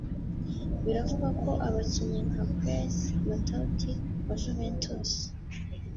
Biravugwa ko abakinnyi nka Blaise Matuidi wa Juventus